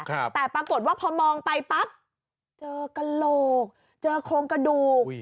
แต่ปรากฏว่าพอมองไปปั๊บเจอกระโหลกเจอโครงกระดูก